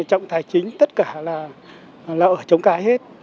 trọng tài chính tất cả là ở chống cái hết